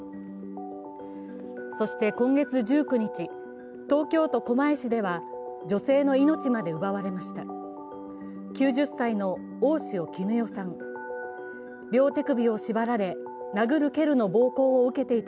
そして今月１９日、東京都狛江市では女性の命まで奪われました。